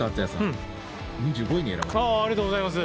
ありがとうございます。